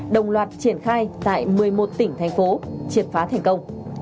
đồng loạt triển khai tại một mươi một tỉnh thành phố triệt phá thành công